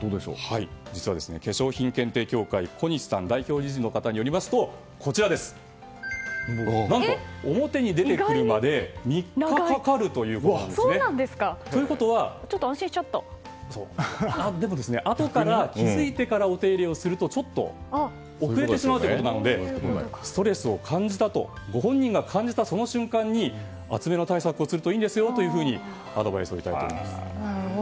実は化粧品検定協会代表理事の小西さんによりますと何と、表に出てくるまで３日かかるということなんですね。ということはあとから気づいてお手入れをするとちょっと遅れてしまうということなのでストレスを感じたとご本人が感じたその瞬間に厚めの対策をするといいですよということでした。